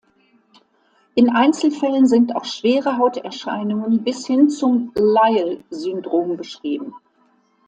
In Einzelfällen sind auch schwere Hauterscheinungen bis hin zum Lyell-Syndrom beschrieben.